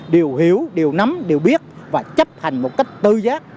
đều hiểu đều nắm đều biết và chấp hành một cách tư giác